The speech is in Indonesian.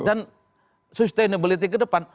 dan sustainability kedepan